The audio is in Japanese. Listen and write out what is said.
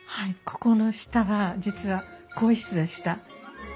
ここの下は実は更衣室でした。